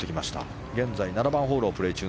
現在７番ホールをプレー中。